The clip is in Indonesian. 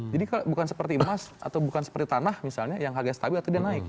jadi bukan seperti emas atau bukan seperti tanah misalnya yang harga stabil atau dia naik